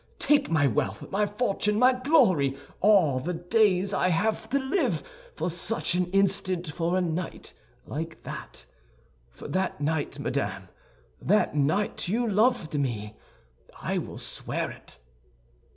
Take my wealth, my fortune, my glory, all the days I have to live, for such an instant, for a night like that. For that night, madame, that night you loved me, I will swear it."